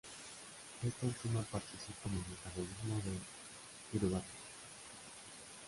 Esta enzima participa en el metabolismo del piruvato.